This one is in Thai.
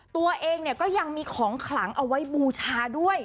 ตัวเองเนี่ยก็ยังมีของขลังเอาไว้บูชาด้วย